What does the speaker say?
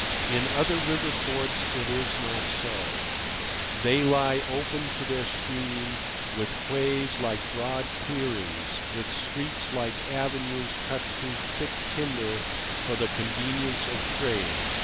In other river ports it is not so. They lie open to their stream, with quays like broad clearings, with streets like avenues cut through thick timber for the convenience of trade.